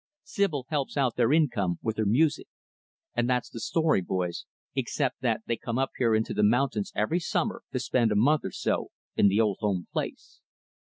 Sibyl helps out their income with her music. And that's the story, boys, except that they come up here into the mountains, every summer, to spend a month or so in the old home place."